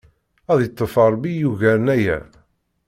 Ad iṭṭef Ṛebbi i yugaren aya!